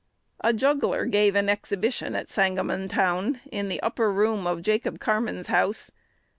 A juggler gave an exhibition at Sangamontown, in the upper room of Jacob Carman's house.